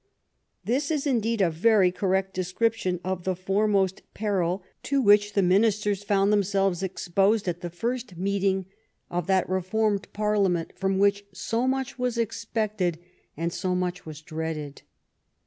This is, indeed, a very correct description of the foremost peril to which the 44 THE STORY OF GLADSTONE'S LIFE Ministers found themselves exposed at the first meeting of that Reformed Parliament from which so much was expected and so much was dreaded.